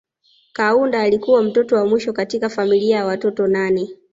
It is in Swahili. Kaunda alikuwa mtoto wa mwisho katika familia ya watoto wanane